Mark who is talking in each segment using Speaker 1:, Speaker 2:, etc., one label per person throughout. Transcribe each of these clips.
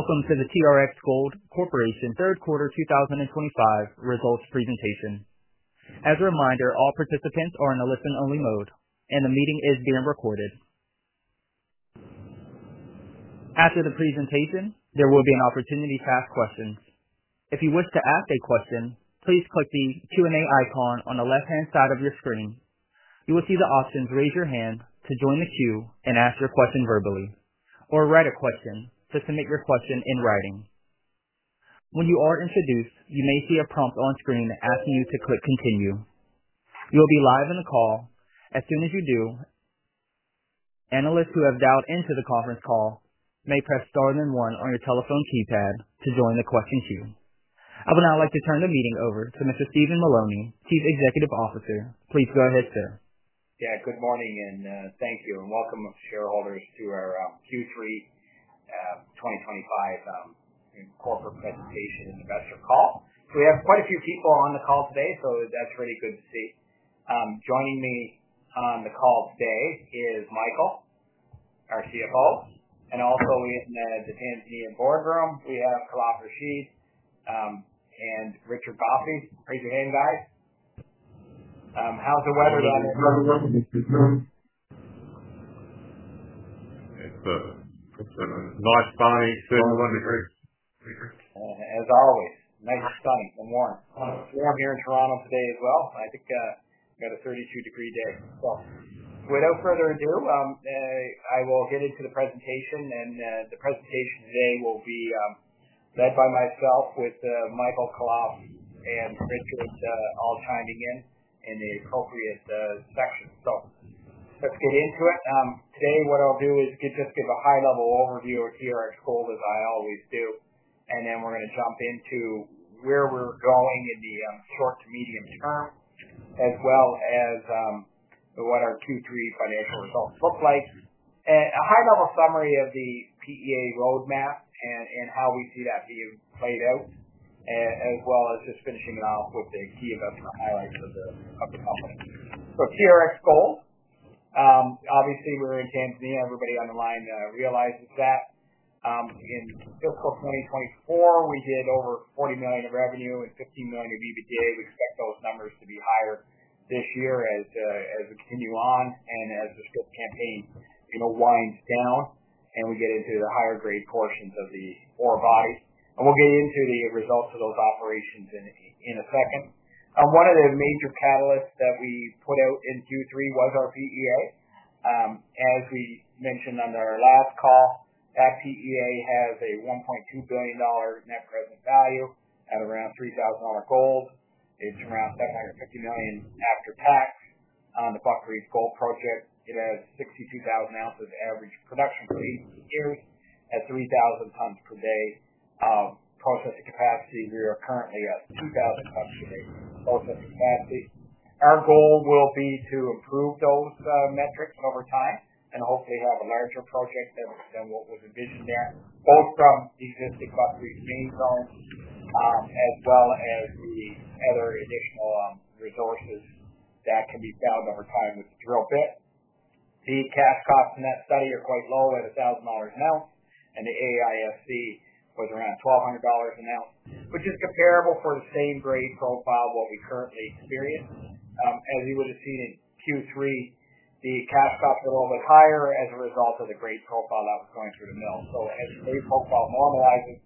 Speaker 1: Welcome to the TRX Gold Corporation's third quarter 2025 results presentation. As a reminder, all participants are in a listen-only mode, and the meeting is being recorded. After the presentation, there will be an opportunity to ask questions. If you wish to ask a question, please click the Q&A icon on the left-hand side of your screen. You will see the option to raise your hand to join the queue and ask your question verbally, or write a question to submit your question in writing. When you are introduced, you may see a prompt on screen asking you to click Continue. You will be live in the call. As soon as you do, analysts who have dialed into the conference call may press Star and one on your telephone keypad to join the question queue. I would now like to turn the meeting over to Mr. Stephen Mullowney, Chief Executive Officer. Please go ahead, sir.
Speaker 2: Good morning and thank you and welcome shareholders to our Q3 2025 corporate presentation and investor call. We have quite a few people on the call today, that's really good to see. Joining me on the call today is Michael. our CFO, and also in the attendee boardroom, we have Richard Boffey. Raise your hand, guys. How's the weather down in the River Road?
Speaker 3: It's a nice, sunny 71 degrees.
Speaker 2: As always, nice and sunny and warm. We're here in Toronto today as well. I think we had a 32-degree day. With no further ado, I will get into the presentation, and the presentation today will be led by myself with Michael, Khalaf, and Richard Boffey all chiming in in the appropriate section. Let's get into it. Today what I'll do is just give a high-level overview of TRX Gold as I always do, and then we're going to jump into where we're going in the short to medium term, as well as what our Q3 financial results look like. A high-level summary of the PEA roadmap and how we see that being played out, as well as just finishing it off with the key investment highlights of the call. TRX Gold, obviously we're in Tanzania. Everybody on the line realizes that. In fiscal 2024, we did over $40 million in revenue and $15 million in EBITDA. We expect those numbers to be higher this year as we continue on and as the scope campaign winds down and we get into the higher grade portions of the ore bodies. We'll get into the results of those operations in a second. One of the major catalysts that we put out in Q3 was our PEA As we mentioned on our last call, that PEA has a $1.2 billion net present value at around $3,000 gold. It's around $750 million after tax on the Buckreef Gold Project. It has 62,000 ounces average production grade per year and 3,000 tons per day of processing capacity. We are currently at 2,000 tons per day processing capacity. Our goal will be to improve those metrics over time and hopefully have a larger project than what was envisioned there, both from the existing Buckreef Main Zone, as well as the other additional resources that can be found over time with drill pit. The cash costs in that study are quite low at $1,000 an ounce, and the AISC was around $1,200 an ounce, which is comparable for the same grade profile of what we currently experience. As you would have seen in Q3, the cash costs are a little bit higher as a result of the grade profile that was going through the mill. As the grade profile normalizes,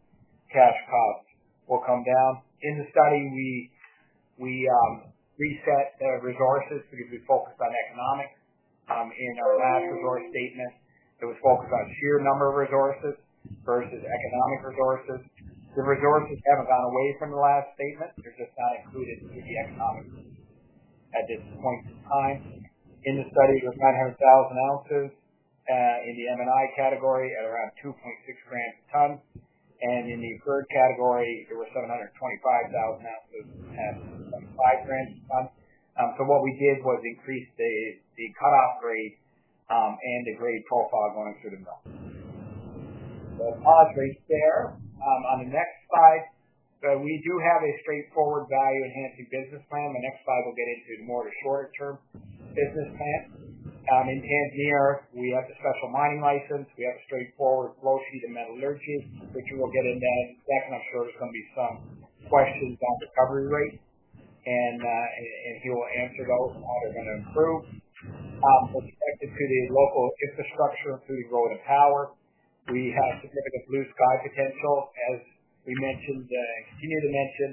Speaker 2: cash costs will come down. In the study, we reset the resources because we focused on economics. In our last resource statement, it was focused on sheer number of resources versus economic resources. The resources haven't gone away from the last statement. They're just not included in the economics at this point in time. In the study, it was 900,000 ounces, in the M&I category at around 2.6 g a ton. And in the inferred category, there were 725,000 ounces at 5 g a ton. What we did was increase the cutoff rate, and the grade profile going through the mill. We'll pause right there. On the next slide, we do have a straightforward value-enhancing business plan. The next slide will get into more of the shorter-term business plan. In Tanzania, we have the special mining license. We have a straightforward flow sheet and metallurgy. Richard will get into that. That's going to occur to come to some questions about recovery rates, and he will answer those and how they're going to improve. Let's execute a local infrastructure through the road and power. We have significant blue sky potential. As we mentioned, continue to mention,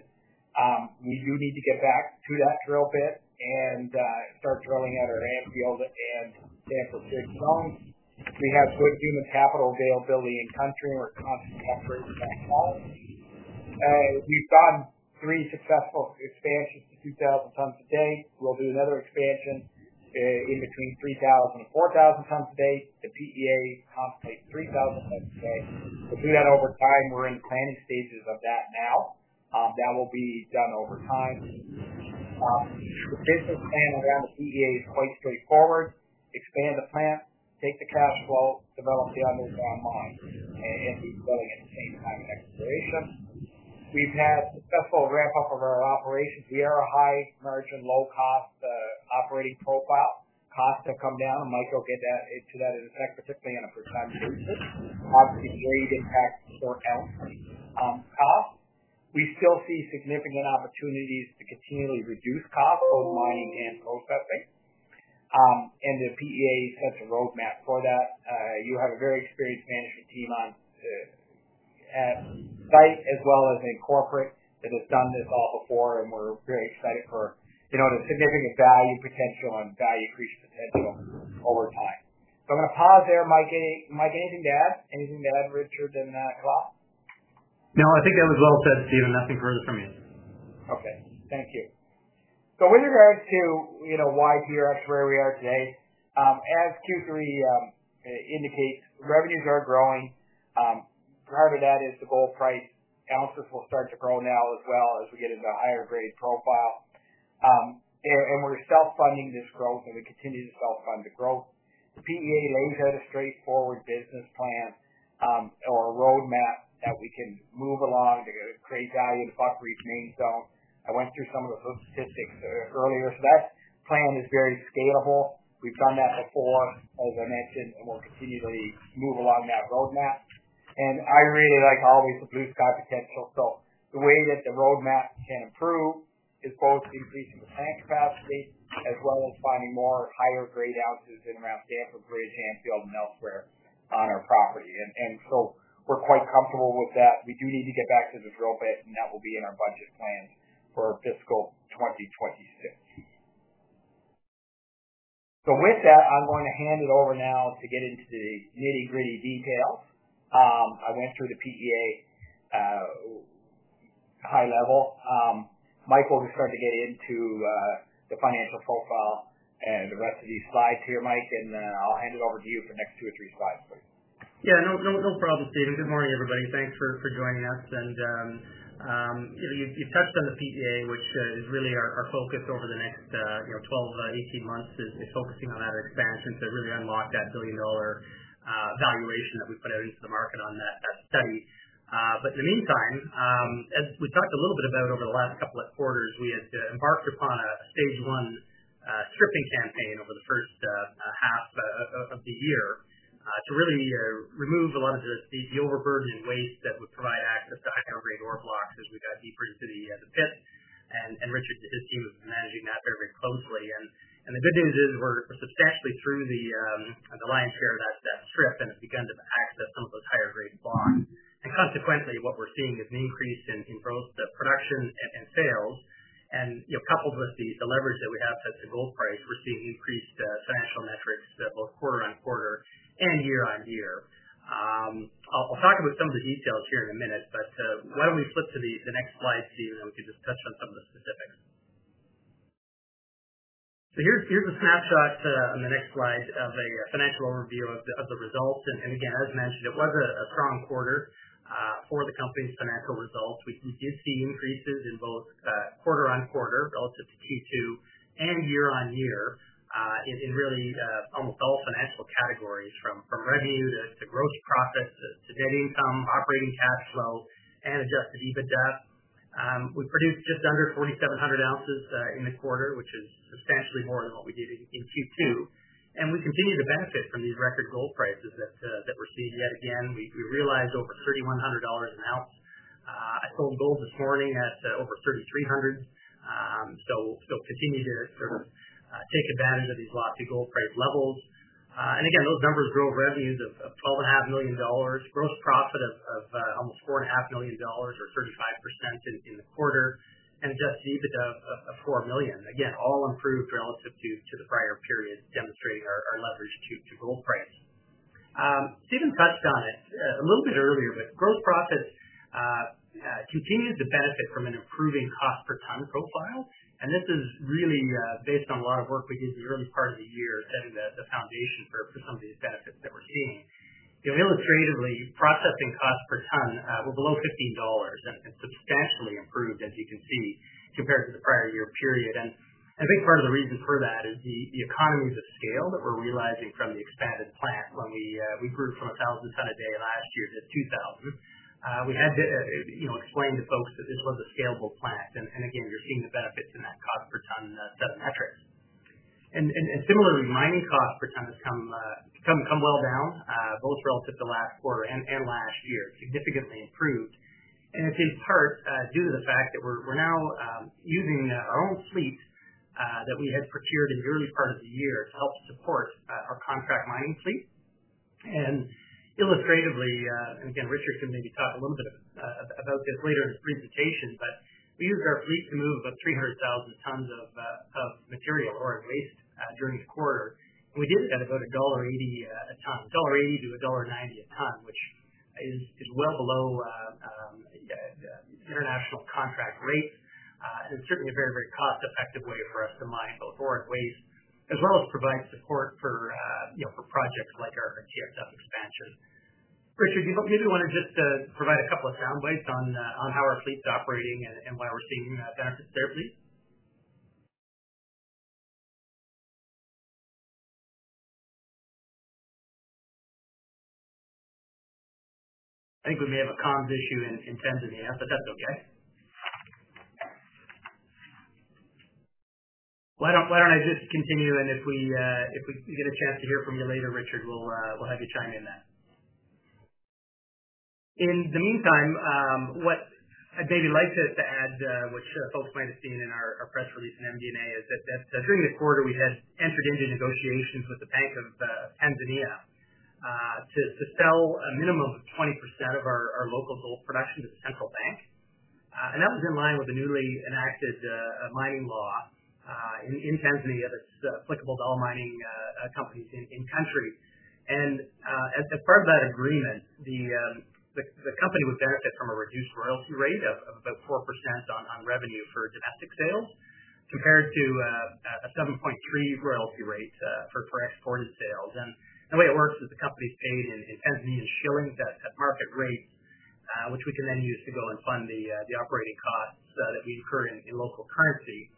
Speaker 2: we do need to get back to that drill pit and start drilling at our landfills and potential big zones. We have good human capital availability in concert with constant upgrade of that quality. We've done three successful expansions to 2,000 tons a day. We'll do another expansion, in between 3,000 and 4,000 tons a day. The PEA constitutes 3,000 tons a day. We'll do that over time. We're in planning stages of that now. That will be done over time. The business plan around the PEA is quite straightforward. Expand the plant, take the cash flow, develop the others online, and go to the same time exploration. We've had successful ramp-up of our operations. We are a high-margin, low-cost, operating profile. Costs have come down. Michael will get into that in a second, particularly on a first-time services. Obviously, weight impacts for our costs. We still see significant opportunities to continually reduce costs for mining and processing, and the PEA has a roadmap for that. You have a very experienced management team on, at site, as well as in corporate that has done this all before, and we're very excited for, you know, the significant value potential and value increase potential over time. I'm going to pause there. Anything to add, Richard, and Khalaf?
Speaker 4: No, I think that was well said, Stephen. Nothing further from me.
Speaker 2: Okay. Thank you. With regards to why TRX is where we are today, as Q3 indicates, revenues are growing. Prior to that is the gold price. Ounces will start to grow now as well as we get into a higher grade profile. We're self-funding this growth, and we continue to self-fund the growth. The PEA lays out a straightforward business plan, or a roadmap that we can move along to create value to Boffey's Main Zone. I went through some of the statistics earlier. The plan is very scalable. We've done that before, as I mentioned, and we'll continually move along that roadmap. I really, like always, the blue sky potential. The way that the roadmap can improve is both increasing the tank capacity as well as finding more higher grade ounces in and around Stamford Bridge and elsewhere on our property. We're quite comfortable with that. We do need to get back to this roadmap, and that will be in our budget plan for fiscal 2026. With that, I'm going to hand it over now to get into the nitty-gritty details. I went through the PEA, high level. Michael will just start to get into the financial profile and the rest of these slides here, Mike, and I'll hand it over to you for the next two or three slides, please.
Speaker 4: Yeah, no problem, Stephen. Good morning, everybody. Thanks for joining us. You've touched on the PEA, which is really our focus over the next, you know, 12, 18 months is focusing on that expansion to really unlock that billion-dollar valuation that we put out into the market on that study. In the meantime, as we talked a little bit about over the last couple of quarters, we have embarked upon a stage one stripping campaign over the first half of the year to really remove a lot of the overburdening waste that would provide access to higher grade ore blocks as we've got deeper into the pit. Richard and his team have been managing that very, very closely. The good news is we're successfully through the lion's share of that strip and have begun to access some of those higher grade blocks. Consequently, what we're seeing is an increase in both the production and sales. Coupled with the leverage that we have set to gold price, we're seeing increased financial metrics both quarter on quarter and year on year. I'll talk about some of the details here in a minute. Why don't we flip to the next slide, Stephen, and we can just touch on some of the specifics. Here's a snapshot on the next slide of a financial overview of the results. Again, as mentioned, it was a strong quarter for the company's financial results. We do see increases in both quarter on quarter relative to Q2 and year on year in really almost all financial categories from revenue to gross profits to net income, operating cash flow, and adjusted EBITDA. We produced just under 4,700 ounces in the quarter, which is substantially more than what we did in Q2. We continue to benefit from these record gold prices that we're seeing. Yet again, we realized over $3,100 an ounce. I sold gold this morning at over $3,300. We will continue to sort of take advantage of these lofty gold price levels. Again, those numbers drove revenues of over $0.5 million, gross profit of almost $4.5 million or 35% in the quarter, and adjusted EBITDA of $4 million. Again, all improved relative to the prior periods demonstrating our leverage to gold price. Stephen touched on it a little bit earlier, but gross profits continue to benefit from an improving cost per ton profile. This is really based on a lot of work we did during the part of the year setting the foundation for some of these benefits that we're seeing. Illustratively, processing cost per ton were below $15. That's substantially improved, as you can see, compared to the prior year period. A big part of the reason for that is the economies of scale that we're realizing from the expanded plant. When we grew from 1,000 ton a day last year to 2,000 ton, we had to explain to folks that it was a scalable plant. Again, you're seeing the benefits in that cost per ton, that metric. Similarly, mining cost per ton has come well down, both relative to the last quarter and last year, significantly improved. It takes heart, due to the fact that we're now using our own fleet that we had procured in the early part of the year to help support our contract mining fleet. Illustratively, and again, Richard can maybe talk a little bit about this later in the presentation, but we used our fleet to move about 300,000 tons of material, or at least during the quarter. We did it at about $1.80 a ton, $1.80 to $1.90 a ton, which is well below international contract rates. It's certainly a very, very cost-effective way for us to mine both ore and waste, as well as provide support for projects like our TRX expansion. Richard, do you want to just provide a couple of sound bites on how our fleet's operating and why we're seeing that benefit there, please? I think we may have a comms issue in Tanzania, but that's okay. Why don't I just continue, and if we get a chance to hear from you later, Richard, we'll have you chime in then. In the meantime, what I'd maybe like to add, which folks might have seen in our press release in MDNA, is that during the quarter, we had entered into negotiations with the Bank of Tanzania to sell a minimum of 20% of our local gold production to the central bank. That was in line with the newly enacted mining law in Tanzania that's applicable to all mining companies in the country. As part of that agreement, the company would benefit from a reduced royalty rate of about 4% on revenue for domestic sales compared to a 7.3% royalty rate for exported sales. The way it works is the company's paid in Tanzanian shilling debt at market rates, which we can then use to go and fund the operating costs that we incurred in local currency.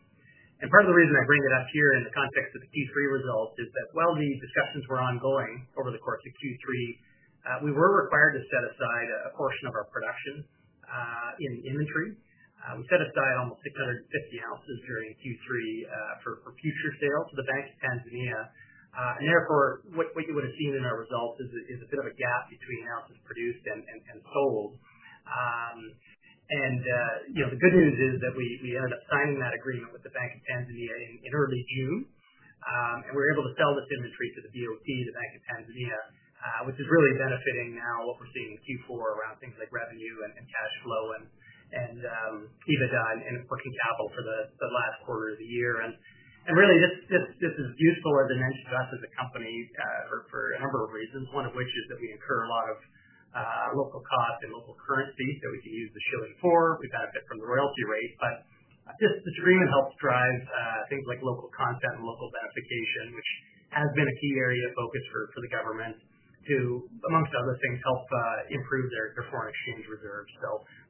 Speaker 4: Part of the reason I bring it up here in the context of the Q3 results is that while these discussions were ongoing over the course of Q3, we were required to set aside a portion of our production in the inventory. We set aside almost 650 ounces during Q3 for future sales to the Bank of Tanzania, and therefore, what you would have seen in our results is a bit of a gap between ounces produced and sold. The good news is that we ended up signing that agreement with the Bank of Tanzania in early June, and we're able to sell this inventory to the Bank of Tanzania, which is really benefiting now what we're seeing in Q4 around things like revenue and cash flow and EBITDA, and of course, these apples for the last quarter of the year. This is useful as an enterprise as a company for a number of reasons, one of which is that we incur a lot of local costs and local currency that we can use the shilling for. We benefit from the royalty rate, but this agreement helps drive things like local content and local benefitation, which has been a key area of focus for the government to, amongst other things, help improve their foreign exchange reserves.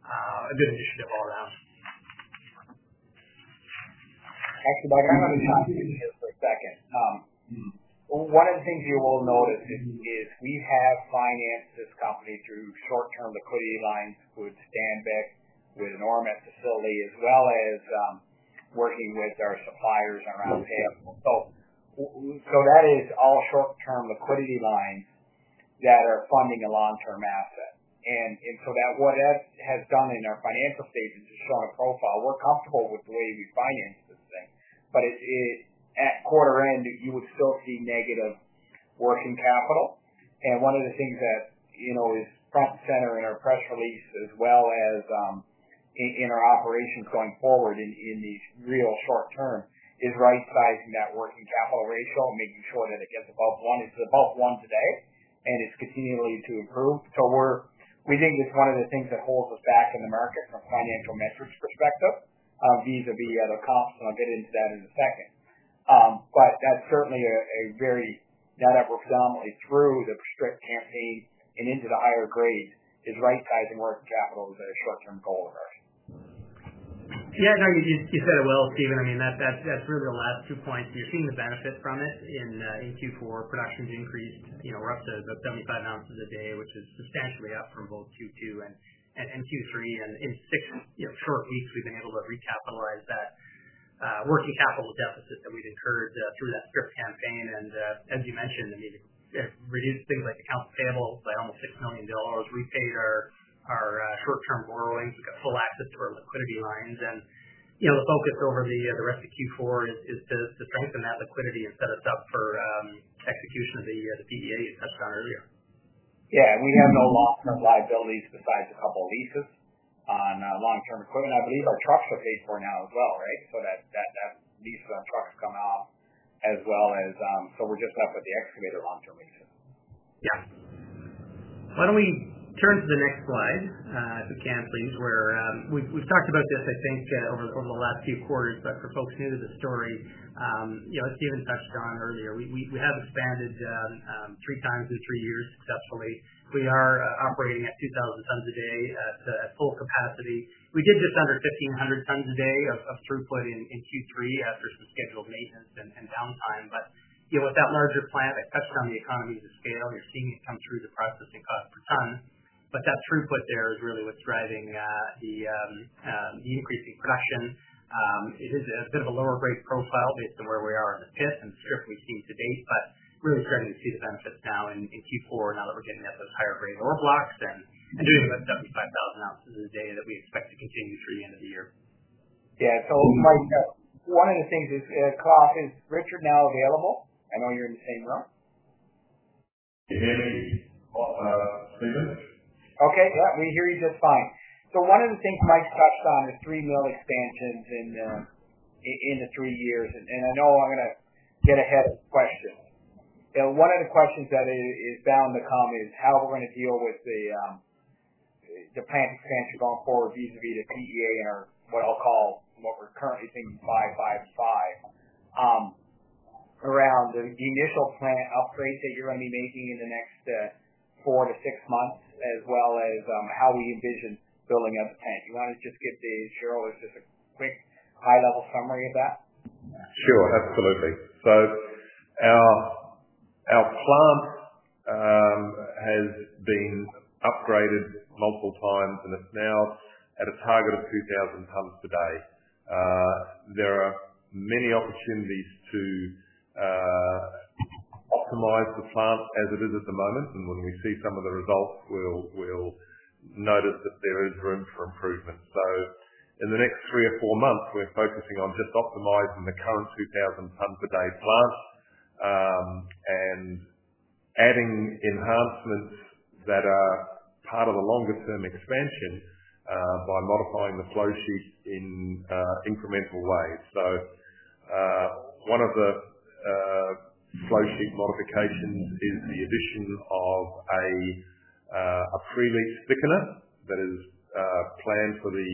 Speaker 4: A good initiative all around.
Speaker 2: Thanks. Michael. I'm going to stop you for a second. One of the things you will notice is we have financed this company through short-term liquidity lines with Stanbic with an Auramet facility, as well as working with our suppliers around the sample. That is all short-term liquidity lines that are funding a long-term asset. What that has done in our financial statements is showing a profile. We're comfortable with the way we financed this thing. At quarter end, you would still see negative working capital. One of the things that is front and center in our press release, as well as in our operations going forward in these real short-term, is right-sizing that working capital ratio, making sure that it gets above one. It's above one today, and it's continuing to improve. We think it's one of the things that holds us back in the market from a financial metrics perspective, vis-à-vis the other costs. I'll get into that in a second. That was predominantly through the strip campaign and into the higher grades. Right-sizing working capital is a short-term goal of ours.
Speaker 4: Yeah, I think you said it well, Stephen. I mean, that's really a lot of two points. We've seen the benefit from it in Q4. Production increased, you know, roughly about 75 ounces a day, which is substantially up from both Q2 and Q3. In six short weeks, we've been able to recapitalize that working capital deficit that we've incurred through that strip campaign. As you mentioned, we reduced things like accounts payable by almost $6 million. We paid our short-term borrowing to get full access to our liquidity lines. The focus over the rest of Q4 is to strengthen that liquidity and set us up for execution of the PEA you touched on earlier.
Speaker 2: Yeah, we have no long-term liabilities besides a couple of leases on long-term equipment. I believe our trucks are paid for now as well, right? That lease for our trucks is coming off, as well, so we're just left with the excavator long-term leases.
Speaker 4: Yes. Why don't we turn to the next slide, if we can, please, where we've talked about this, I think, over the last few quarters, but for folks new to the story, you know, as Stephen touched on earlier, we have expanded 3x in three years successfully. We are operating at 2,000 tons a day at full capacity. We did just under 1,500 tons a day of throughput in Q3 after some scheduled maintenance and downtime. With that larger plant, that's around the economies of scale. You're seeing some through the processing cost per ton. That throughput there is really what's driving the increasing production. It is a bit of a lower grade profile based on where we are in the pit. I'm sure if we see today, but really clearly see the benefit now in Q4 now that we're getting out of those higher grade ore blocks and doing about 75,000 ounces a day that we expect to continue through the end of the year.
Speaker 2: Yeah, Mike, one of the things is, is Richard now available? I know you're in the same room.
Speaker 3: I hear you. Stephen?
Speaker 2: Okay, we hear you just fine. One of the things Mike touched on is three mill expansions in the three years. I know I'm going to have some questions. One of the questions that is bound to come is how we're going to deal with the plant expansion going forward, vis-à-vis the PEA or what I'll call what we're currently seeing is 555. Around the initial plant upgrades that you're going to be making in the next four to six months, as well as how we envision filling up the tank. You want to just give the shareholders just a quick high-level summary of that?
Speaker 3: Sure, absolutely. Our plant has been upgraded multiple times, and it's now at a target of 2,000 tons per day. There are many opportunities to optimize the plant as it is at the moment. When we see some of the results, we'll notice that there is room for improvement. In the next three or four months, we're focusing on just optimizing the current 2,000 ton per day plant and adding enhancements that are part of the longer-term expansion by modifying the flow sheets in incremental ways. One of the flow sheet modifications is the addition of a pre-leach thickener that is planned for the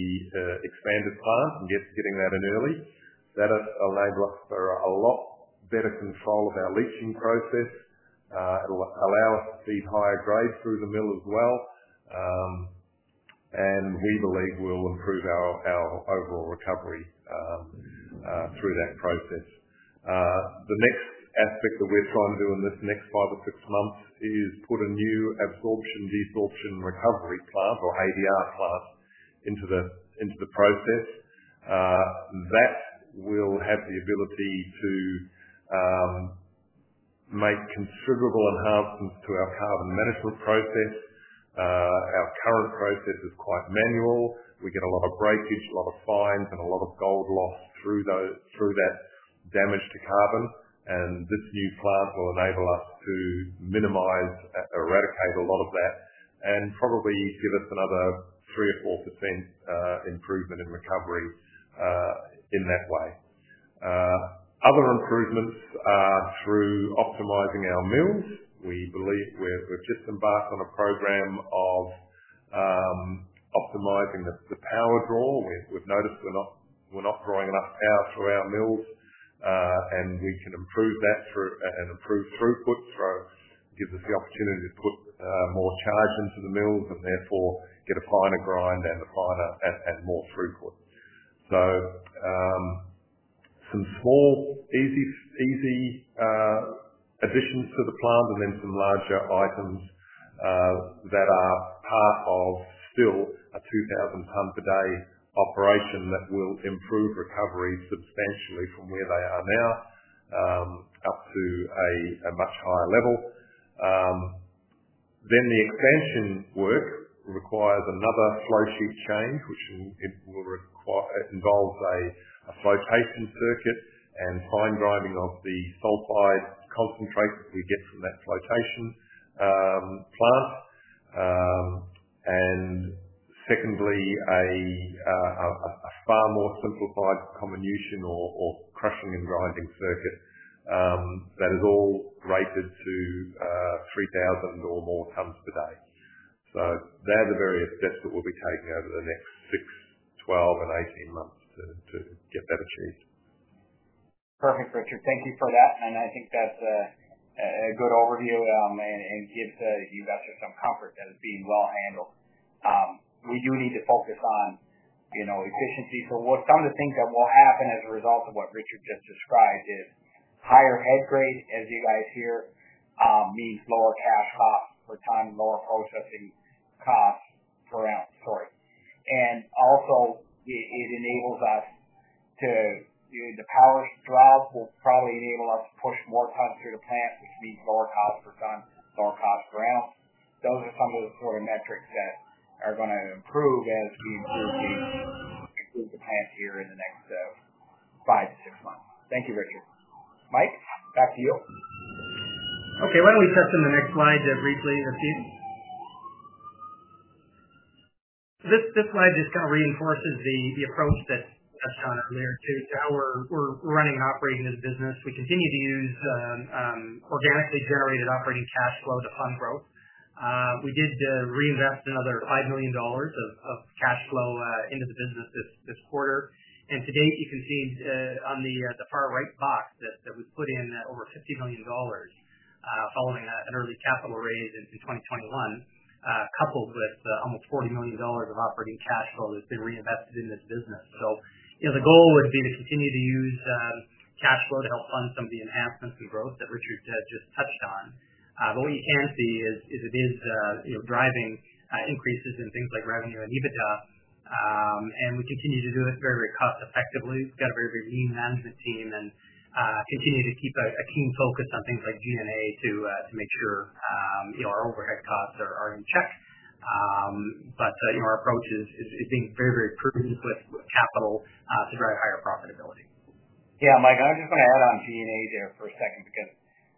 Speaker 3: expanded plant and getting that in early. That will enable us to have a lot better control of our leaching process. It'll allow us to feed higher grades through the mill as well, and we believe we'll improve our overall recovery through that process. The next aspect that we're trying to do in this next five or six months is put a new absorption, desorption circuit into the process. That will have the ability to make considerable enhancements to our carbon management process. Our current process is quite manual. We get a lot of breakage, a lot of fines, and a lot of gold loss through that damage to carbon. This new plant will enable us to minimize and eradicate a lot of that and probably give us another 3% or 4% improvement in recovery in that way. Other improvements are through optimizing our mills. We believe we've just embarked on a program of optimizing the power draw. We've noticed we're not drawing enough power through our mills, and we can improve that through an improved throughput. It gives us the opportunity to put more charge into the mills and therefore get a finer grind and more throughput. Some small, easy additions to the plant and then some larger items that are part of still a 2,000 ton per day operation will improve recovery substantially from where they are now up to a much higher level. The expansion work requires another flow sheet change, which involves a flotation circuit and fine grinding of the sulfide concentrates that you get from that flotation plant. Secondly, a far more simplified comminution or crushing and grinding circuit that is all rated to 3,000 or more tons per day. These are the various steps that we'll be taking over the next 6, 12, and 18 months to get better results.
Speaker 2: Perfect, Richard. Thank you for that. I think that's a good overview, and it gives the investor some comfort that it's being well handled. We do need to focus on, you know, efficiency. What some of the things that will happen as a result of what Richard just described is higher head grade, as you guys hear, means lower cash cost per ton, lower processing cost per ounce, sorry. It enables us to, you know, the power draw will probably enable us to push more time through the plant, which means lower cost per ton, lower cost per ounce. Those are some of the sort of metrics that are going to improve as we improve the plant here in the next five to six months. Thank you, Richard. Mike, back to you. Okay, why don't we touch on the next slide briefly here, Stephen?
Speaker 4: This slide just kind of reinforces the approach that I've done earlier to how we're running and operating this business. We continue to use organically generated operating cash flow to fund growth. We did reinvest another $5 million of cash flow into the business this quarter. Today, you can see on the far right box that we've put in over $50 million, following an early capital raise in 2021, coupled with almost $40 million of operating cash flow that's been reinvested in this business. The goal would be to continue to use cash flow to help fund some of the enhancements and growth that Richard just touched on. What you can see is it is driving increases in things like revenue and EBITDA. We continue to do it very, very effectively. We've got a very, very lean management team and continue to keep a keen focus on things like G&A to make sure our overhead costs are in check. Our approach is being very, very prudent with capital, to very higher profitability.
Speaker 2: Yeah, Mike, I was just going to add on G&A there for a second because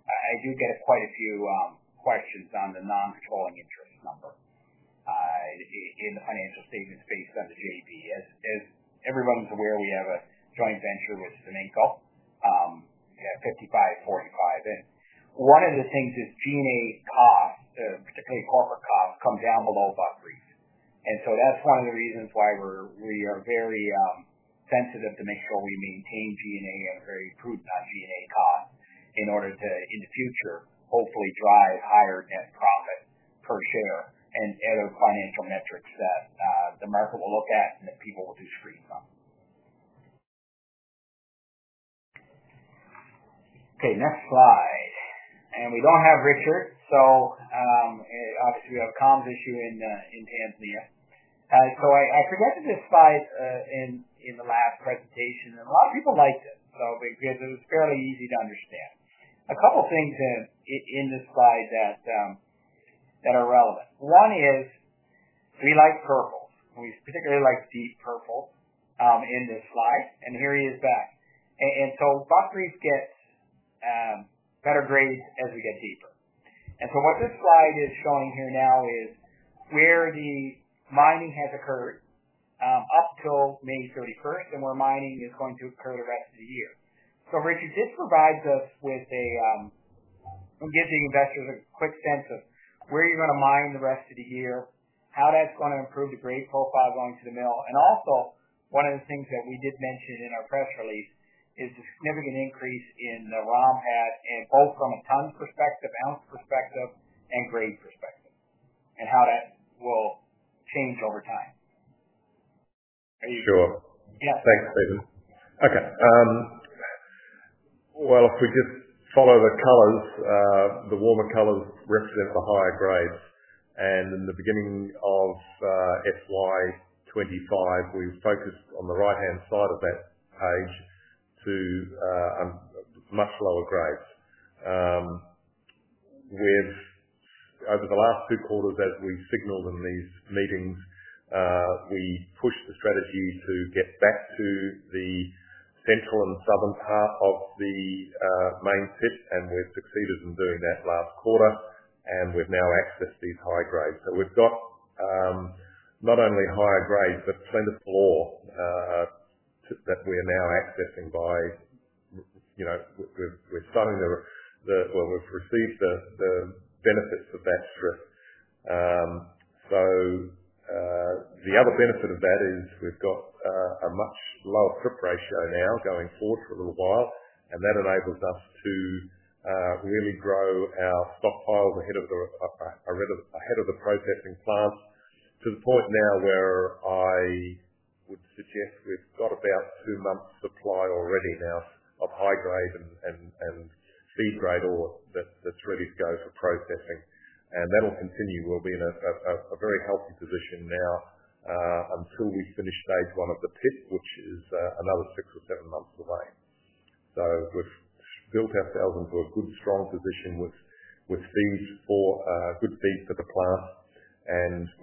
Speaker 2: I do get quite a few questions on the non-controlling interest number in the financial statements based on JV. As everyone's aware, we have a joint venture with STAMICO, 55-45 in. One of the things is G&A cost, particularly corporate cost, comes down below Buckreef. That's one of the reasons why we are very sensitive to make sure we maintain G&A at a very prudent G&A cost in order to, in the future, hopefully drive higher net profit per share and other financial metrics that the market will look at and that people will be screened from. Okay, next slide. We don't have Richard, so obviously, we have a comms issue in Tanzania. I presented this slide in the last presentation, and a lot of people liked it, so it was fairly easy to understand. A couple of things in this slide that are relevant. One is we like purple. We particularly like to use purple in this slide. Here he is back. Buckreef get better grades as we get deeper. What this slide is showing here now is where the mining has occurred up till May 30 current, and where mining is going to occur the rest of the year. Richard just provides us with a, it gives the investors a quick sense of where you're going to mine the rest of the year, how that's going to improve the grade profile going to the mill. Also, one of the things that we did mention in our press release is the significant increase in the RAM had both from a ton perspective, ounce perspective, and grade perspective, and how that will change over time. Are you going?
Speaker 3: Thanks, Stephen. If we just follow the colors, the warmer colors represent the higher grades. In the beginning of FY 2025, we focused on the right-hand side of that page to much lower grades. Over the last two quarters, as we signaled in these meetings, we pushed the strategy to get back to the central and southern part of the main pit, and we've succeeded in doing that last quarter. We've now accessed these high grades. We've got not only higher grades, but slender floor that we're now accessing. We've received the benefits of that strip. The other benefit of that is we've got a much lower strip ratio now going forward for a little while. That enables us to really grow our stockpiles ahead of the processing plants to the point now where I would suggest we've got about two months' supply already now of high grade and feed grade ore that's ready to go for processing. That'll continue. We'll be in a very healthy position now, until we finish phase one of the pit, which is another six or seven months away. We've built ourselves into a good strong position with good feed for the plant.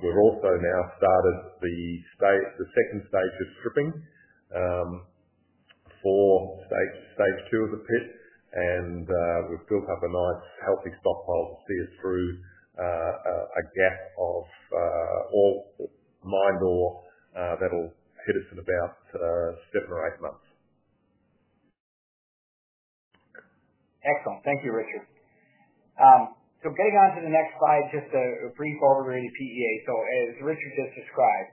Speaker 3: We've also now started the second stage of stripping for stage two of the pit. We've built up a nice healthy stockpile that feeds through a gap of all mine ore that'll fit us in about seven or eight months.
Speaker 2: Excellent. Thank you, Richard. Getting on to the next slide, just a brief overview of the PEA. As Richard just described,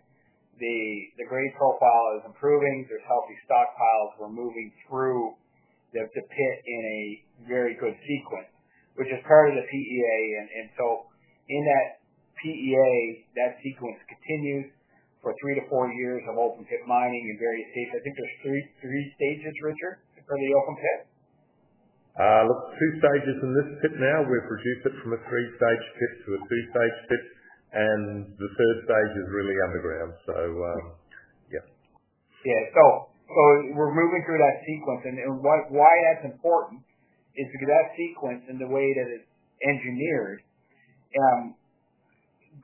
Speaker 2: the grade profile is improving. There's healthy stockpiles. We're moving through the pit in a very good sequence, which is part of the PEA. In that PEA, that sequence continues for three to four years of open pit mining in various states. I think there's three stages, Richard, for the open pit?
Speaker 3: Look, two stages in this pit now. We've reduced it from a three-stage pit to a two-stage pit. The third stage is really underground. Yeah.
Speaker 2: Yeah. We're moving through that sequence. Why that's important is because that sequence and the way that it's engineered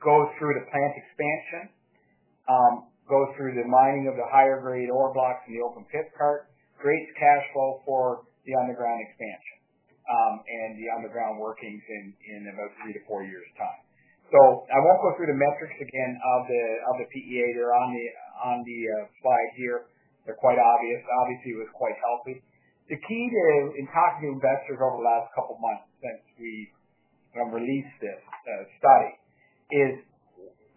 Speaker 2: goes through the plant expansion, goes through the mining of the higher grade ore blocks in the open pit part, creates cash flow for the underground expansion, and the underground workings in about three to four years' time. I won't go through the metrics again of the PEA here on the slide here. They're quite obvious. Obviously, it was quite healthy. The key to in talking to investors over the last couple of months since we released this study is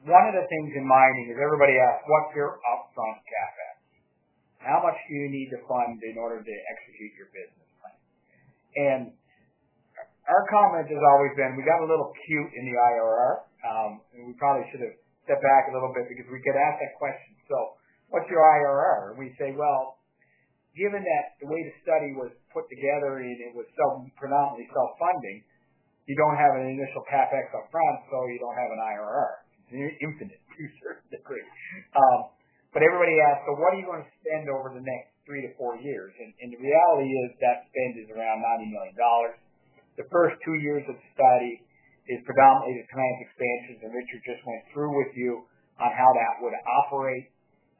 Speaker 2: one of the things in mining is everybody asks, "What's your upfront cash asset? How much do you need to fund in order to execute your business plan?" Our comment has always been, "We got a little cute in the IRR." We probably should have stepped back a little bit because we could ask that question. "So what's your IRR?" We say, "Well, given that the way the study was put together and it was so predominantly self-funding, you don't have an initial CapEx upfront, so you don't have an IRR. You're infinite to a certain degree." Everybody asks, "So what are you going to spend over the next three to four years?" The reality is that spend is around $90 million. The first two years of the study is predominantly the plant expansions that Richard just went through with you on how that would operate.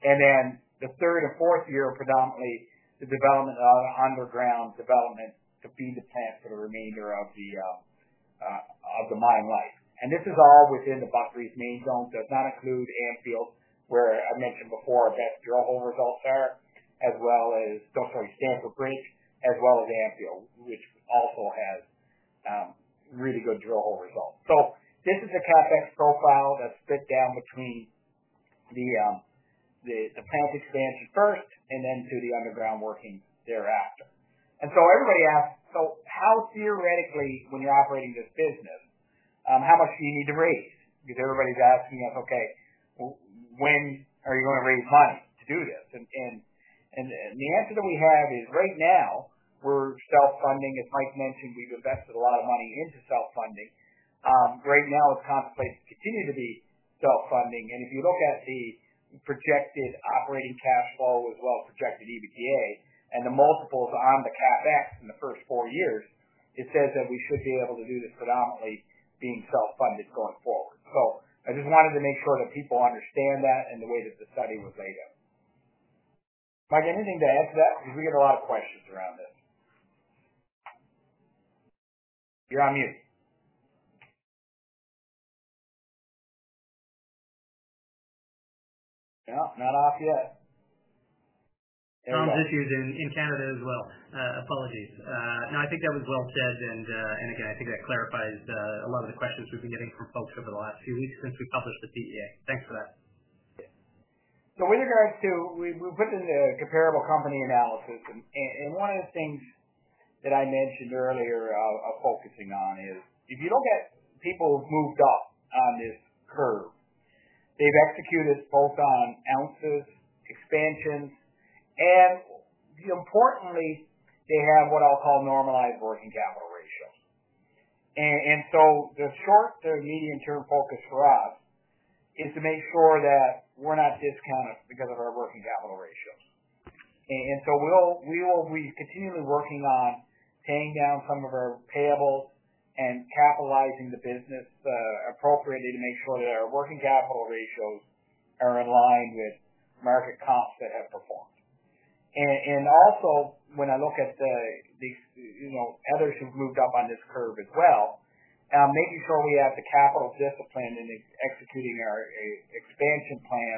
Speaker 2: The third and fourth year are predominantly the development of underground development to feed the plants for the remainder of the mine life. This is all within the Buckreefs' main zone. It does not include Anfield, where I mentioned before that drill hole results are, as well as, sorry, Stanford Bridge, as well as Anfield, which also has really good drill hole results. This is a CapEx profile that's split down between the plant expansion first and then to the underground workings thereafter. Everybody asks, "So how theoretically, when you're operating this business, how much do you need to raise?" Everybody's asking us, "Okay, when are you going to raise money to do this?" The answer that we have is right now, we're self-funding. As Mike mentioned, we've invested a lot of money into self-funding. Right now, it's contemplated to continue to be self-funding. If you look at the projected operating cash flow as well, projected EBITDA, and the multiples on the CapEx in the first four years, it says that we should be able to do this predominantly being self-funded going forward. I just wanted to make sure that people understand that and the way that the study was laid out. Mike, anything to add to that? We get a lot of questions around this. You're on mute. No, not off yet.
Speaker 4: Issues in Canada as well. Apologies. No, I think that was well said. I think that clarifies a lot of the questions we've been getting from folks over the last few weeks since we published the PEA. Thanks for that.
Speaker 2: With regards to we put in the comparable company analysis. One of the things that I mentioned earlier I'm focusing on is if you look at people who've moved up on this curve, they've executed both on ounces expansions, and importantly, they have what I'll call normalized working capital ratio. The short-term, medium-term focus for us is to make sure that we're not discounted because of our working capital ratio. We will be continually working on paying down some of our payables and capitalizing the business appropriately to make sure that our working capital ratios are in line with market comps that have performed. Also, when I look at others who've moved up on this curve as well, I'm making sure we have the capital discipline in executing our expansion plan,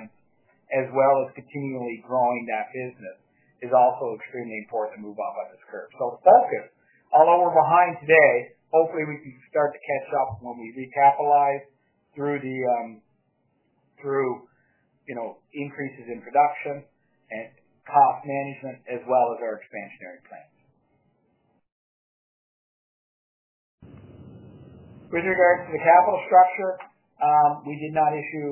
Speaker 2: as well as continually growing that business, which is also extremely important to move up on this curve. The focus, although we're behind today, hopefully, we can start to catch up when we recapitalize through the increases in production and cost management, as well as our expansionary plan. With regards to the capital structure, we did not issue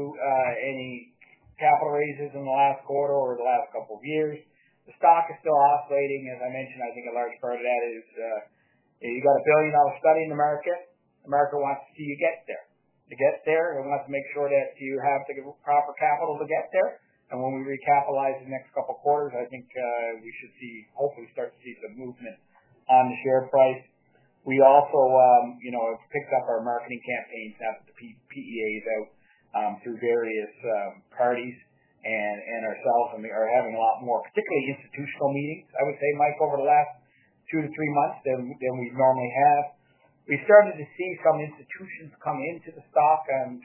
Speaker 2: any capital raises in the last quarter or the last couple of years. The stock is still oscillating. As I mentioned, I think a large part of that is, you've got a billion-dollar study in the market. America wants to see you get there. It gets there. It wants to make sure that you have the proper capital to get there. When we recapitalize the next couple of quarters, I think we should see, hopefully, start to see some movement on the share price. We also have picked up our marketing campaigns now that the PEA is out, through various parties and ourselves, and we are having a lot more, particularly institutional meetings, I would say, Mike, over the last two to three months than we normally have. We started to see some institutions come into the stock and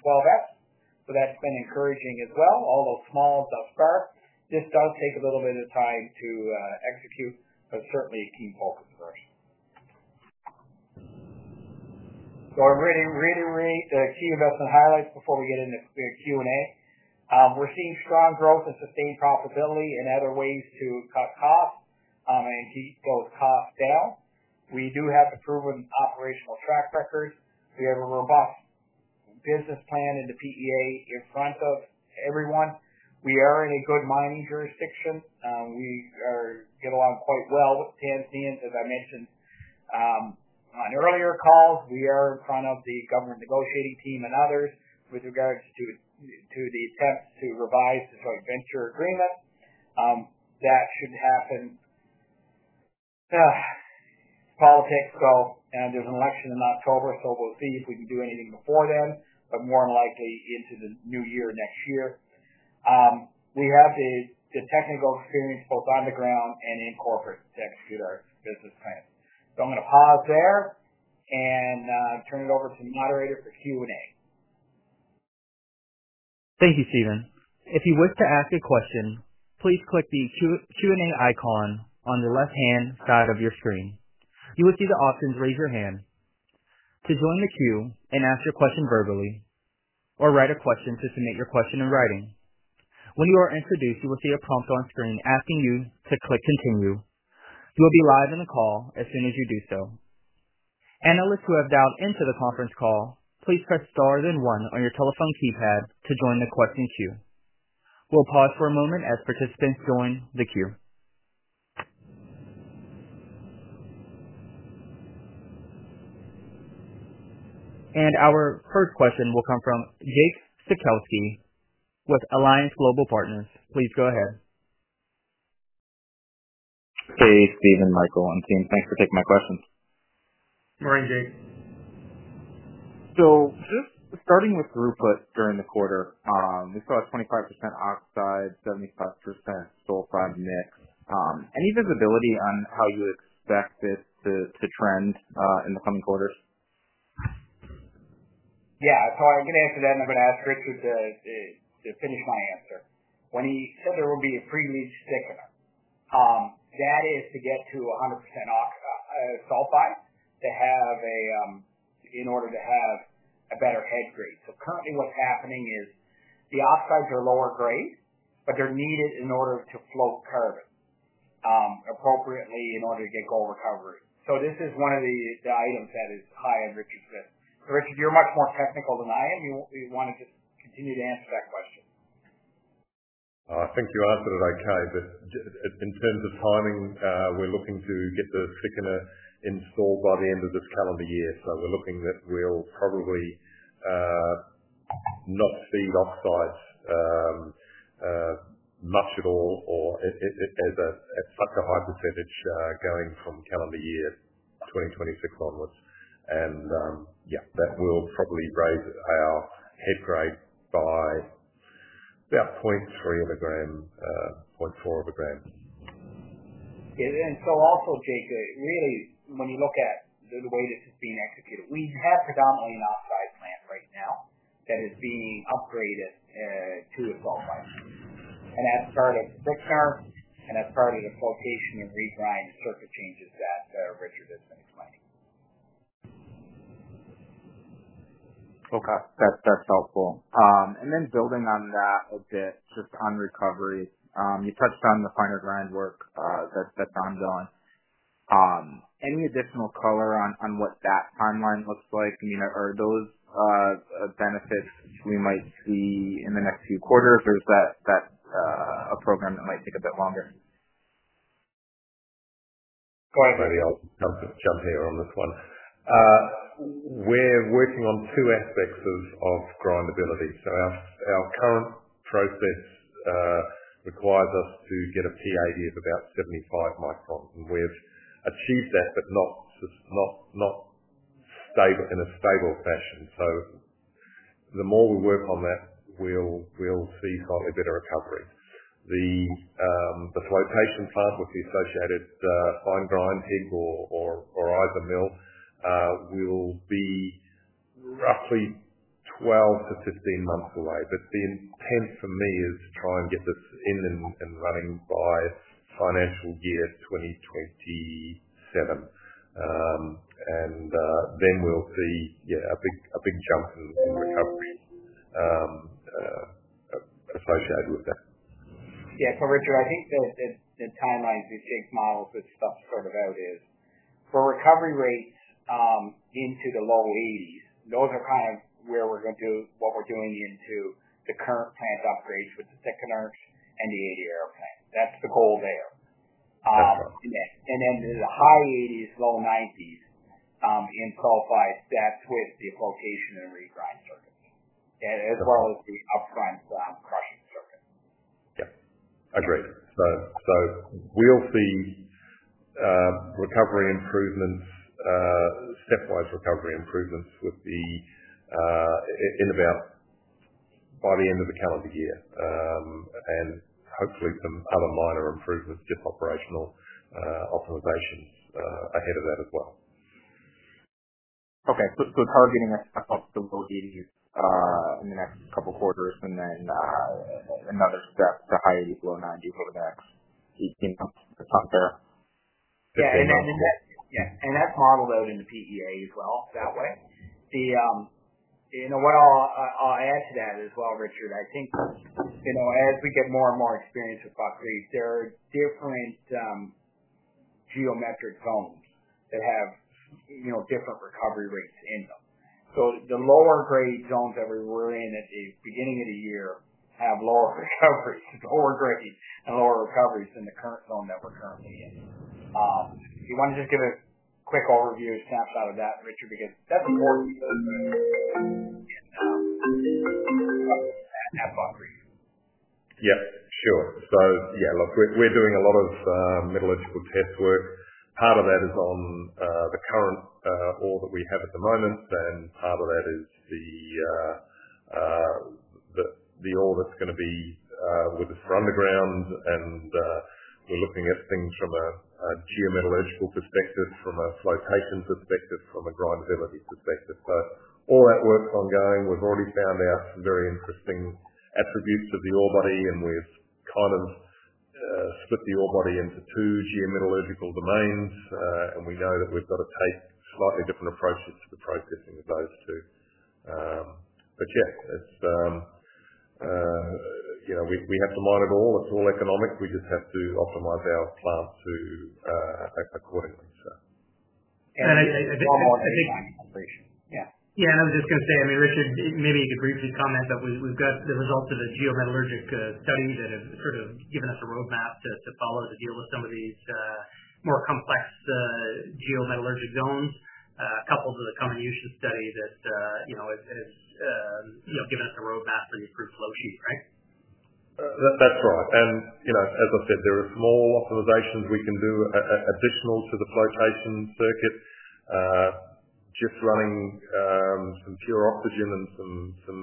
Speaker 2: 12Fs. That's been encouraging as well. Although small, it does start. This does take a little bit of time to execute, but certainly a team focus for us. I really, really, really the key investment highlights before we get into the Q&A. We're seeing strong growth and sustained profitability and other ways to cut costs, and keep both costs down. We do have a proven operational track record. We have a robust business plan, and the PEA is front of everyone. We are in a good mining jurisdiction. We are getting along quite well with the Tanzanians, as I mentioned on earlier calls. We are in front of the government negotiating team and others with regards to the attempts to revise the joint venture agreement. That should happen. Politics go and there's an election in October, so we'll see if we can do anything before then, but more than likely into the new year next year. We have the technical experience both on the ground and in corporate to execute our business plan. I'm going to pause there and turn it over to the moderator for Q&A.
Speaker 1: Thank you, Stephen. If you wish to ask a question, please click the Q&A icon on the left-hand side of your screen. You will see the option to raise your hand to join the queue and ask your question verbally, or write a question to submit your question in writing. When you are introduced, you will see a prompt on screen asking you to click Continue. You will be live in the call as soon as you do so. Analysts who have dialed into the conference call, please press Star then one on your telephone keypad to join the question queue. We'll pause for a moment as participants join the queue. Our first question will come from Jake Sekelsky with Alliance Global Partners. Please go ahead.
Speaker 5: Hey, Stephen, Michael, and team, thanks for taking my question.
Speaker 2: Morning, Jake.
Speaker 5: Just starting with throughput during the quarter, we saw a 25% upside, 75% sulfide mix. Any visibility on how you expect this to trend in the coming quarters?
Speaker 2: Yeah, so I'm going to answer that, and I'm going to ask Richard to finish my answer. When he said there will be a pre-leach thickener, that is to get to 100% sulfide in order to have a better hedge grade. Currently, what's happening is the oxides are lower grade, but they're needed in order to float carbon appropriately in order to get gold recovery. This is one of the items that is high on Richard's list. Richard, you're much more technical than I am. You wanted to continue to answer that question.
Speaker 3: I think the answer that I charged is in terms of timing, we're looking to get the thickener installed by the end of this calendar year. We're looking at we'll probably not see oxides much at all or at such a high percentage, going from calendar year 2026 onwards. That will probably raise our head grade by about 0.3 of a gram, 0.4 of a gram.
Speaker 2: Really, when you look at the way this is being executed, we have predominantly an oxide plan right now that is being upgraded to a 12F. That's part of strip carb and that's part of the flotation and redesigned circuit changes that Richard has been explaining.
Speaker 5: Okay. That's helpful. Building on that a bit, just on recovery, you touched on the finer grind work that's ongoing. Any additional color on what that timeline looks like? You know, are those benefits we might see in the next few quarters, or is that a program that might take a bit longer?
Speaker 3: If anybody else jumps in here on this one, we're working on two aspects of grindability. Our current process requires us to get a PAD of about 75 microns, and we've achieved that, but not in a stable fashion. The more we work on that, we'll see slightly better recovery. The flow pacing cycle with the associated fine grind, whether pig or either mill, will be roughly 12-15 months away. The intent for me is to try and get this in and running by financial year 2027. We'll see a big jump in recovery associated with that.
Speaker 2: Yeah, so Richard, I think the time I do six miles with stuff sorted out is for recovery rates into the low 80%, those are kind of where we're going to do what we're doing into the current plan's upgrades with the thickeners and the ADR circuit. That's the goal there. Okay. Then the high 80%, low 90% in profile, that's with the flotation and redesign circuits, as well as the upfront crushing circuit.
Speaker 3: Agreed. We'll see recovery improvements, stepwise recovery improvements by the end of the calendar year, and hopefully some other minor improvements to operational optimizations ahead of that as well.
Speaker 5: Okay. It's still targeting us up to low 80%s in the next couple of quarters, and then another step to high 80%s, low 90%s over the next 18 months. That's on there.
Speaker 2: Yeah, and that's modeled out in the PEA as well. What I'll add to that as well, Richard, I think, as we get more and more experience with Buckreef, there are different geometric zones that have different recovery rates in them. The lower grade zones that we were in at the beginning of the year have lower recoveries, lower grades, and lower recoveries than the current zone that we're currently in. You want to just give a quick overview and snapshot of that, Richard, because that's important.
Speaker 3: Yeah, sure. Look, we're doing a lot of metallurgical test work. Part of that is on the current ore that we have at the moment, and part of that is the ore that's going to be with us for underground. We're looking at things from a geometrical perspective, from a flotation perspective, from a grindability perspective. All that work's ongoing. We've already found out some very interesting attributes of the ore body, and we've kind of split the ore body into two geometrical domains. We know that we've got to take slightly different approaches to the processing of those two. It's, you know, we have to mine it all. It's all economic. We just have to optimize our plants to affect that quarterly.
Speaker 2: I just want to add, I think, yeah.
Speaker 4: Yeah, I was just going to say, I mean, Richard, maybe you could briefly comment that we've got the results of a geometrical study that has given us a roadmap to follow to deal with some of these more complex geometrical zones. A couple of the comminution studies have given us a roadmap for these three flow sheets, right?
Speaker 3: That's right. As I said, there are small optimizations we can do additional to the flotation circuit. Just running some pure oxygen and some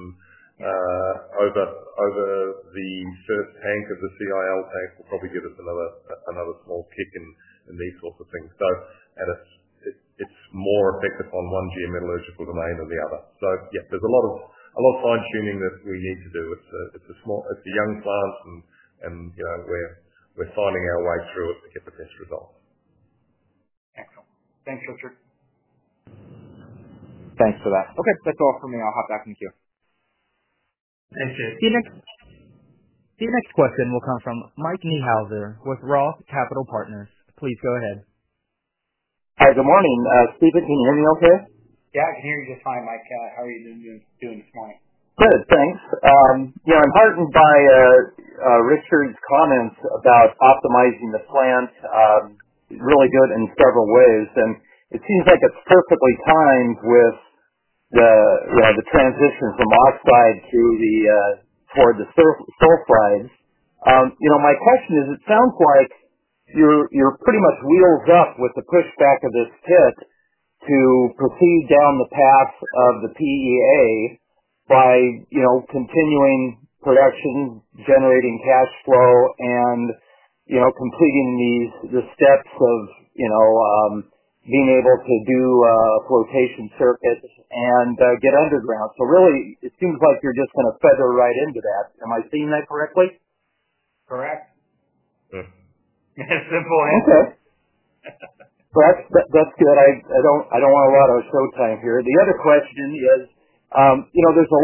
Speaker 3: over the surf tank of the CIL case will probably give us another small kick in these sorts of things. It's more picked up on one geometrical domain than the other. There's a lot of fine-tuning that we need to do. It's a small, young plant, and we're finding our way through it to get the best result.
Speaker 5: Excellent. Thanks, Richard.
Speaker 3: Thanks for that.
Speaker 5: Okay, that's all for me. I'll hop back in the queue.
Speaker 1: Yes, sir. Stephen, your next question will come from Mike Neuhauser with ROTH Capital Partners. Please go ahead.
Speaker 6: Hi, good morning. Stephen, can you hear me okay?
Speaker 2: Yeah, I can hear you just fine, Mike. How are you doing this morning?
Speaker 6: Good, thanks. I'm heartened by Richard's comments about optimizing the plant. Really good in several ways. It seems like it's perfectly timed with the transition from oxide to the, toward the sulphides. My question is, it sounds like you're pretty much wheeled up with the pushback of this pit to proceed down the path of the PEA by continuing production, generating cash flow, and completing these steps of being able to do a flotation circuit and get underground. It seems like you're just going to feather right into that. Am I seeing that correctly?
Speaker 2: Correct?
Speaker 3: Yeah. Simple and interest. Correct? That's good. I don't want to rot our show time here. The other question is, you know, there's a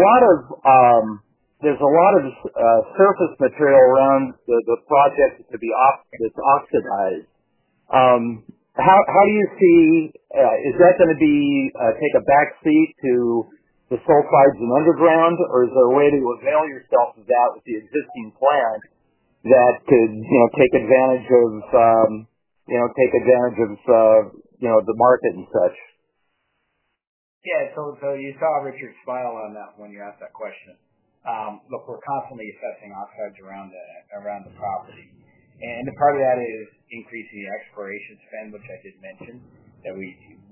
Speaker 3: lot of surface material around the process to be oxidized. How do you see, is that going to take a back seat to the sulfides in underground, or is there a way to avail yourself of that with the existing plant that could take advantage of the market and such?
Speaker 2: Yeah. You saw Richard's smile on that when you asked that question. Look, we're constantly assessing oxides around the property. Part of that is increasing the exploration spend, which I just mentioned, that we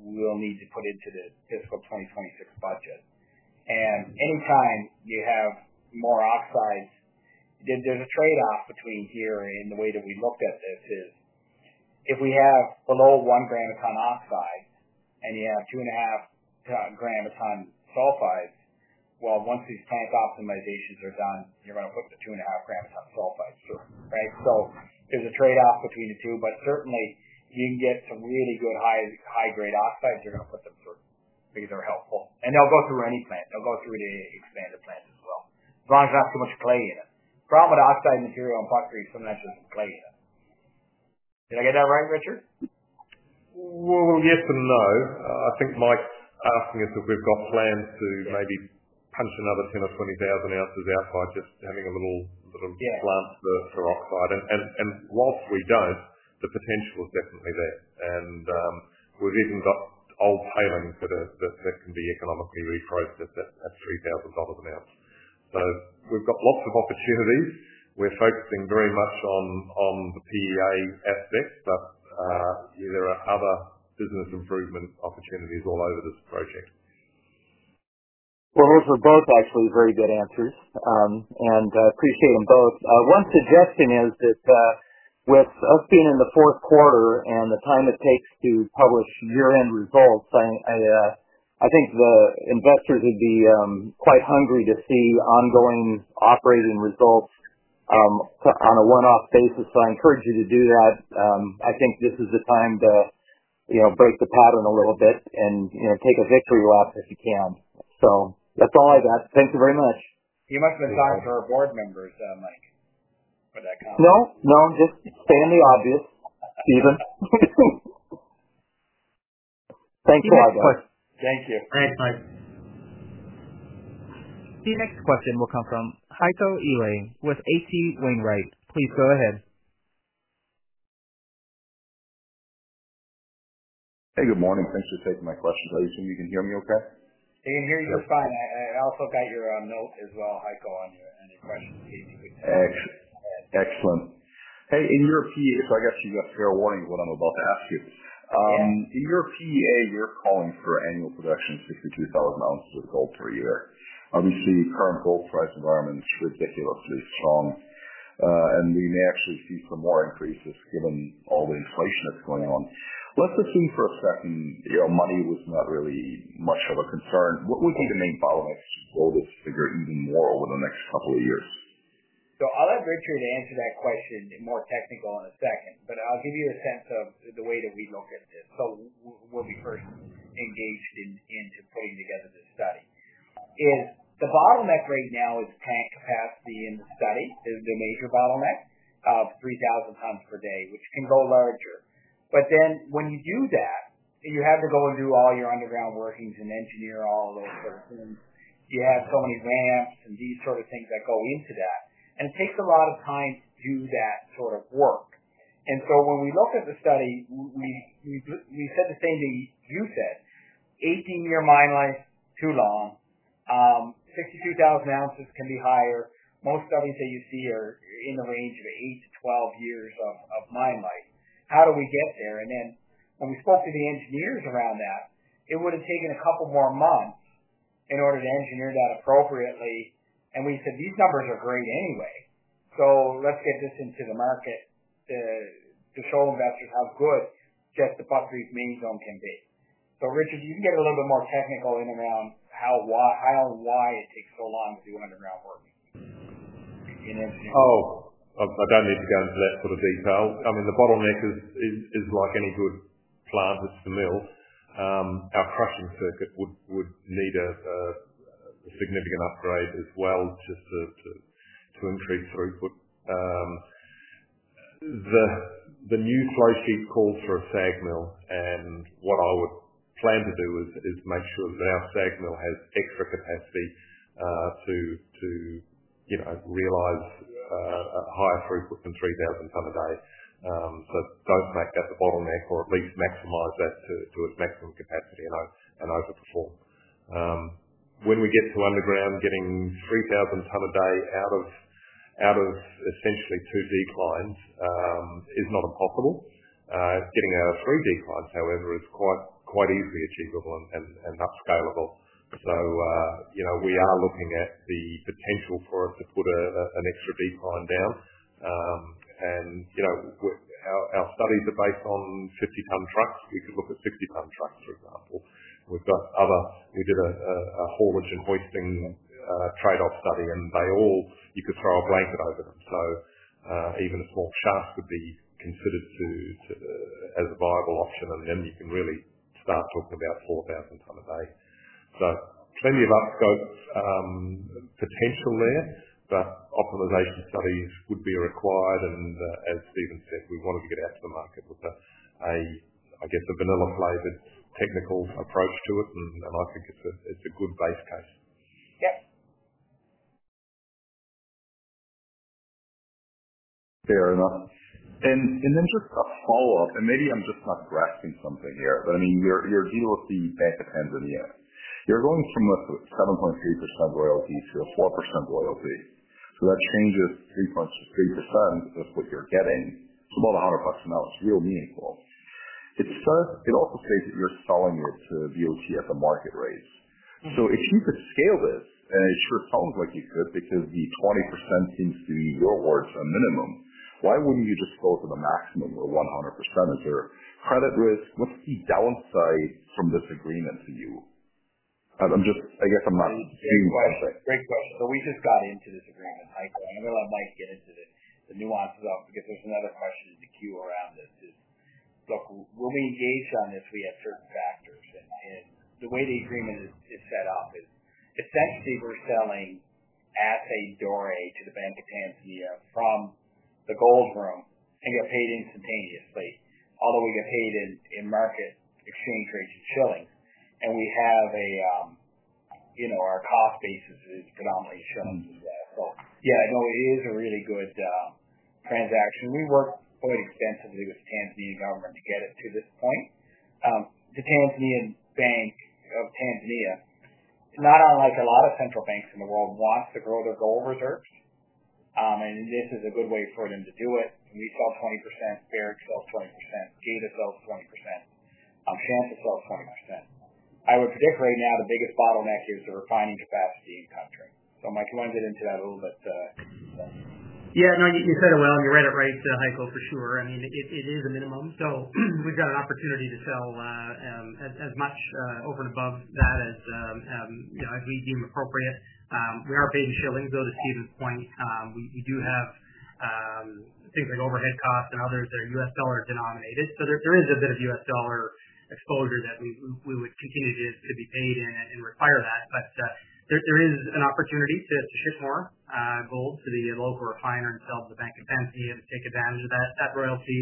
Speaker 2: will need to put into the fiscal 2026 budget. Anytime you have more oxides, there's a trade-off between here and the way that we looked at this is if we have below 1g a ton oxides and you have 2.5g a ton sulfides, once these plant optimizations are done, you're going to hook the 2.5 g a ton sulfides through, right? There's a trade-off between the two, but certainly, you can get some really good high-grade oxides. You're going to put them through because they're helpful. They'll go through any plant. They'll go through the expanded plant as well, as long as not too much clay in it. The problem with oxide material, and Buckreef, is sometimes there's clay in it. Did I get that right, Richard?
Speaker 3: I think Mike's asking us if we've got plans to maybe punch another 10,000 or 20,000 ounces out by just having a little bit of plant for oxide. Whilst we don't, the potential is definitely there. We've even got old veins that can be economically refrozen at $3,000 an ounce. We've got lots of opportunities. We're focusing very much on the PEA at best, but there are other business improvement opportunities all over this project.
Speaker 6: Those were both actually very good answers, and I appreciate them both. One suggestion is that, with us being in the fourth quarter and the time it takes to publish year-end results, I think the investors would be quite hungry to see ongoing operating results on a one-off basis. I encourage you to do that. I think this is the time to break the pattern a little bit and take a victory lap if you can. That's all I got. Thank you very much.
Speaker 2: You must have signed for our board members, Mike, for that comment.
Speaker 6: No, just stating the obvious, Stephen. Thank you all, guys.
Speaker 4: Thank you.
Speaker 2: All right, bye.
Speaker 1: The next question will come from Heiko Ihle with H.C. Wainwright. Please go ahead.
Speaker 7: Hey, good morning. Thanks for taking my question. Can you hear me okay?
Speaker 2: I can hear you fine. I also got your note as well, Heiko, on your question.
Speaker 7: Excellent. In your PEA, so I guess you got fair warning of what I'm about to ask you. In your PEA, you're calling for annual production of 63,000 ounces of gold per year. Obviously, the current gold price environment is ridiculously strong, and we may actually see some more increases given all the inflation that's going on. Let's assume for a second, you know, money was not really much of a concern. What would be the main bottleneck for gold to figure even more over the next couple of years?
Speaker 2: I'll let Richard answer that question more technical in a second, but I'll give you a sense of the way that we look at this. What we first engaged in into putting together this study is the bottleneck right now is plant capacity in the study is the major bottleneck of 3,000 tons per day, which can go larger. When you do that, you have to go and do all your underground workings and engineer all those sorts of things. You have pony ramps and these sorts of things that go into that. It takes a lot of time to do that sort of work. When we look at the study, we said the same thing you said. 18-year mine life, too long. 62,000 ounces can be higher. Most studies that you see are in the range of eight to 12 years of mine life. How do we get there? When we spoke to the engineers around that, it would have taken a couple more months in order to engineer that appropriately. We said these numbers are great anyway. Let's get this into the market to show investors how good just the Buckreefs's main zone can be. Richard, you can get a little bit more technical in around how why it takes so long to do underground work.
Speaker 3: Oh, I don't need to go into that sort of detail. I mean, the bottleneck is like any good plant with the mill. Our crushing circuit would need a significant upgrade as well just to improve throughput. The new flow sheet calls for a SAG mill. What I would plan to do is make sure that our SAG mill has extra capacity to, you know, realize a higher throughput than 3,000 ton a day. Don't make that the bottleneck or at least maximize that to its maximum capacity and overperform. When we get to underground, getting 3,000 ton a day out of essentially two deep lines is not impossible. Getting our three deep lines, however, is quite easily achievable and upscalable. We are looking at the potential for us to put an extra deep line down. Our studies are based on 50-ton trucks. We could look at 50-ton trucks, for example. We did a haulage and boosting trade-off study, and they all, you could throw a blanket over them. Even a small shaft could be considered as a viable option. Then you can really start talking about 4,000 ton a day. Plenty of upskirts to tackle there. The optimization studies would be required. As Stephen said, we wanted to get out to the market with a, I guess, a vanilla-flavored technical approach to it. I think it's a good base case.
Speaker 2: Yeah.
Speaker 7: Fair enough. Just a follow-up. Maybe I'm just not grasping something here. I mean, your deal with the Bank of Tanzania, you're going from a 7.3% royalty to a 4% royalty. That changes 3.3% of what you're getting, not a personality, real vehicle. It also creates that you're selling it to the OTF at market rate. If you could scale this, and it sure sounds like you could because these 20% seems to be your worth at minimum, why wouldn't you just go to the maximum of 100%? Is there credit risk? What's the downside from this agreement for you? I'm just, I guess I'm not seeing what you're saying.
Speaker 2: Right. Right. We just got into this agreement, Heiko. I know that Mike did this in the nuance of that. I'll forget there's another question in the queue around this. When we engage on this, we have certain factors. The way the agreement is set up is essentially we're selling as a doorway to the Bank of Tanzania from the gold room and get paid instantaneously. Although we get paid in market exchange rates of shillings, and we have a, you know, our cost basis is predominantly shillings as well. Yeah, no, it is a really good transaction. We worked quite extensively with the Tanzanian government to get it to this point. The Bank of Tanzania, not unlike a lot of central banks in the world, wants to grow their gold reserves. This is a good way for them to do it. You sell 20%, spirit sells 20%, data sells 20%, and transit sells 20%. I would predict right now the biggest bottleneck is the refining capacity in the country. Mike, you want to get into that a little bit?
Speaker 4: Yeah, no, you said it well, and you read it right, Heiko, for sure. I mean, it is a minimum. We've got an opportunity to sell as much over and above that as we deem appropriate. We are paid in shillings, though, to Stephen's point. We do have things like overhead costs and others that are U.S. dollar denominated. There is a bit of U.S. dollar exposure that we would continue to be paid in and require that. There is an opportunity to ship more gold to the local refiner and sell to the Bank of Tanzania and take advantage of that royalty,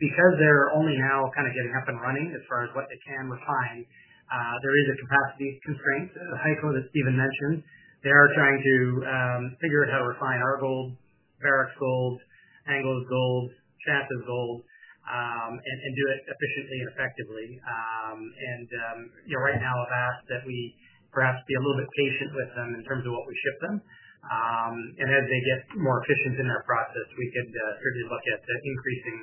Speaker 4: because they're only now kind of getting up and running as far as what they can refine. There is a capacity constraint, Heiko, that Stephen mentioned. They are trying to figure out how to refine our gold, Barrick's Gold, Anglo's Gold, Shanta's Gold, and do it efficiently, effectively. Right now I've asked that we perhaps be a little bit patient with them in terms of what we ship them. As they get more efficient in their process, we could certainly look at increasing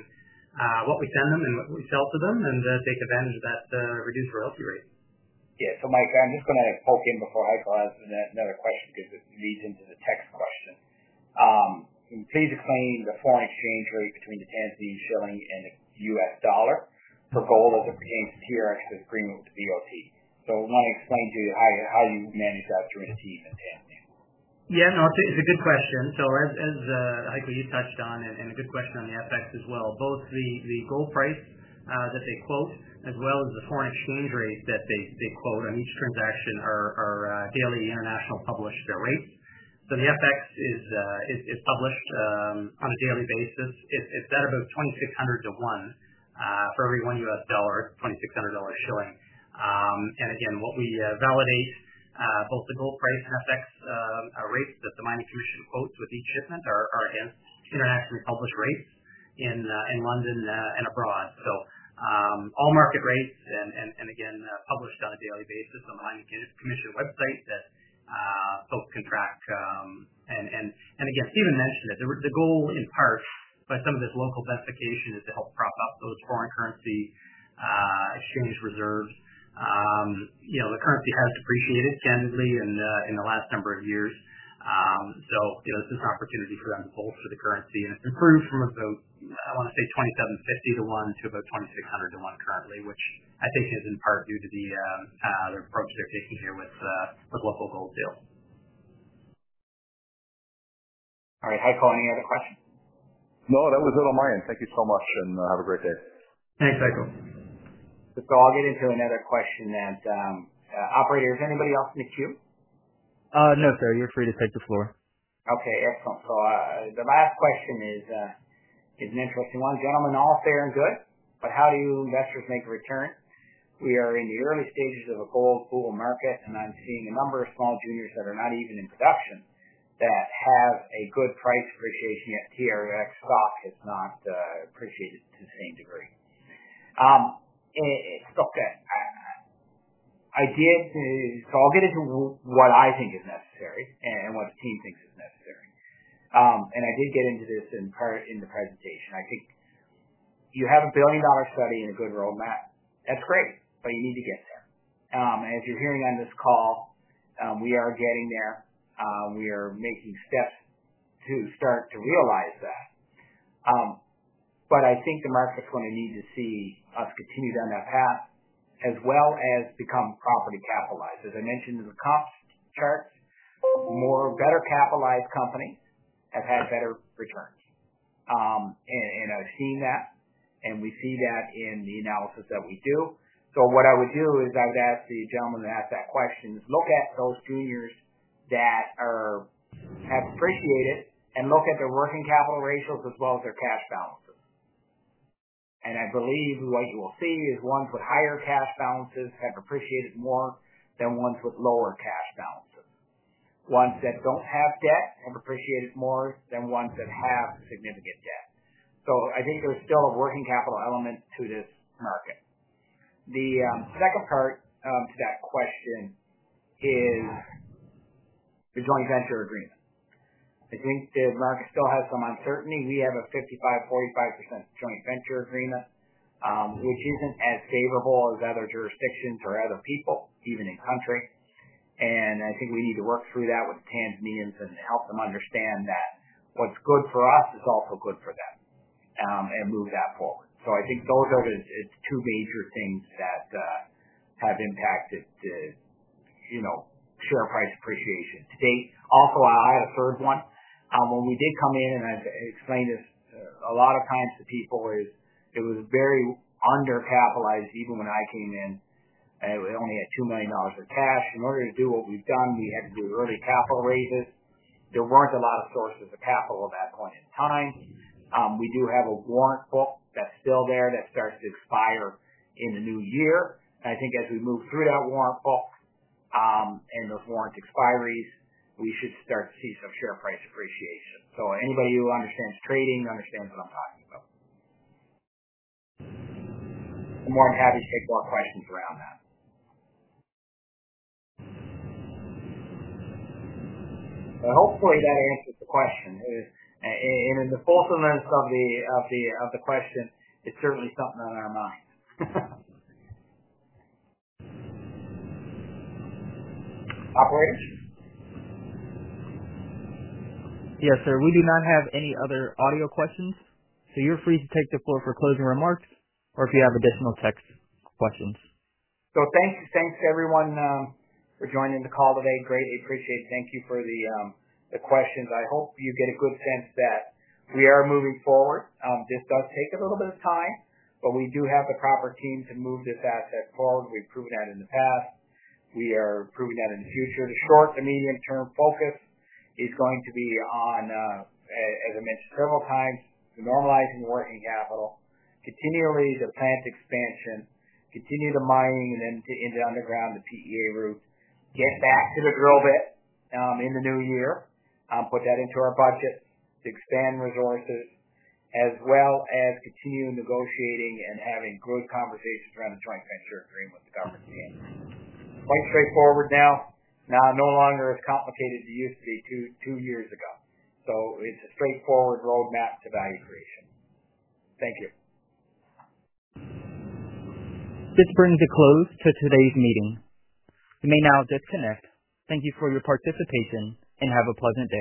Speaker 4: what we send them and what we sell to them and take advantage of that reduced royalty rate.
Speaker 2: Yeah, so Mike, I'm just going to poke in before Heiko asks another question because it leads into the next question. In phase of claiming, the foreign exchange rate between the Tanzanian shilling and the U.S. dollar for gold as it became seriously screwed with the OT. I want to explain to you how you manage that through OTs in Tanzania.
Speaker 4: Yeah, no, it's a good question. As Heiko, you touched on, and a good question on the FX as well, both the gold price that they quote, as well as the foreign exchange rate that they quote on each transaction, are daily international published rates. The FX is published on a daily basis. It's at about 2,600 to 1, for every $1 it's KES 2,600. Again, what we validate, both the gold price and FX, are rates that the mining commission quotes with each shipment, are international published rates in London and abroad. All market rates, and again, published on a daily basis on the mining commission website that folks can track. Again, Stephen mentioned the gold in part, but some of this local bifurcation is to help prop up those foreign currency exchange reserves. The currency has depreciated standardly in the last number of years. This is an opportunity for them to bolster the currency. It improves from about 2,750 to $1 to about 2,600 to $1 currently, which I think is in part due to the project issues here with the global gold deal.
Speaker 2: All right, Heiko, any other questions?
Speaker 7: No, that was it on my end. Thank you so much, and have a great day.
Speaker 2: Thanks, Heiko. I'll get into another question. Operator, is anybody else in the queue?
Speaker 1: No, sir. You're free to take the floor.
Speaker 2: Okay, excellent. The last question is, it's an interesting one. Gentlemen, all fair and good, but how do you investors make a return? We are in the early stages of a gold bull market, and I'm seeing a number of small juniors that are not even in production that have had good price appreciation, yet TRX stock has not appreciated to the same degree. It's okay. I did, so I'll get into what I think is necessary and what the team thinks is necessary. I did get into this in part in the presentation. I think you have a billion-dollar study and a good roadmap. That's great, but you need to get there. As you're hearing on this call, we are getting there. We are making steps to start to realize that. I think the market's going to need to see us continue down that path as well as become properly capitalized. As I mentioned in the cost chart, more better capitalized companies have had better returns. I've seen that, and we see that in the analysis that we do. What I would do is I would ask the gentlemen to ask that question to look at those juniors that have appreciated and look at their working capital ratios as well as their cash balances. I believe what you will see is ones with higher cash balances have appreciated more than ones with lower cash balances. Ones that don't have debt have appreciated more than ones that have significant debt. I think there's still a working capital element to this market. The second part to that question is the joint venture agreement. I think the market still has some uncertainty. We have a 55%, 45% joint venture agreement, which isn't as favorable as other jurisdictions or other people, even in country. I think we need to work through that with the Tanzanians and help them understand that what's good for us is also good for them, and move that forward. I think those are the two major things that have impacted the share price appreciation to date. Also, I'll add a third one. When we did come in, and I've explained this a lot of times to people, it was very under-capitalized even when I came in. We only had $2 million of cash. In order to do what we've done, we had to do early capital raises. There weren't a lot of sources of capital at that point in time. We do have a warrant book that's still there that starts to expire in the new year. I think as we move through that warrant book, and those warrant expiries, we should start to see some share price appreciation. Anybody who understands trading understands what I'm talking about. I'm more than happy to take more questions around that. Hopefully, that answers the question. In the fulfilment of the question, it's certainly something on our mind. Operator?
Speaker 1: Yes, sir. We do not have any other audio questions. You're free to take the floor for closing remarks or if you have additional text questions.
Speaker 2: Thank you everyone for joining the call today. Greatly appreciate it. Thank you for the questions. I hope you get a good sense that we are moving forward. This does take a little bit of time, but we do have the proper team to move this asset forward. We've proven that in the past. We are proving that in the future. The short to medium-term focus is going to be on, as I mentioned, thermal times, normalizing the working capital, continuing the plant expansion, continue the mining and then into the underground, the PEA route, get back to the drill bit in the new year, put that into our budget to expand resources, as well as continue negotiating and having great conversations around the joint venture agreement with the government. Going straightforward now. No longer as complicated as it used to be two years ago.It's a straightforward roadmap to value creation. Thank you.
Speaker 1: This brings a close to today's meeting. We may now disconnect. Thank you for your participation and have a pleasant day.